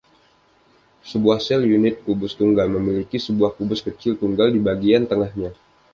Sebuah sel unit kubus tunggal memiliki sebuah kubus kecil tunggal di bagian tengahnya.